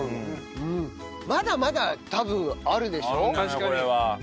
まだまだ多分あるでしょ？